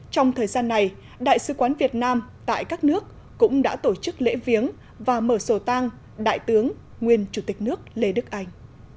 trong thời gian này đại sứ quán việt nam tại các nước cũng đã tổ chức lễ viếng và mở sổ tang đại tướng nguyên chủ tịch nước lê đức anh